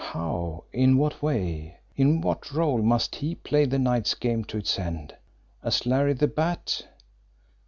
How, in what way, in what role, must he play the night's game to its end? As Larry the Bat?